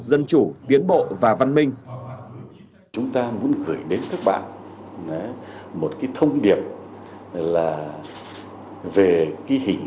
dân chủ biến bộ và văn minh